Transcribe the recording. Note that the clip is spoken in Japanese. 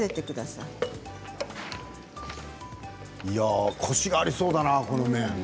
いやあ、コシがありそうだな、この麺。